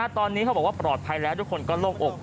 ตอนนี้เขาบอกว่าปลอดภัยแล้วทุกคนก็โล่งอก